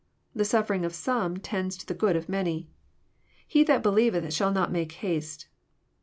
The suffering of some tends to the good of many. *<He that believeeh shall not make haste."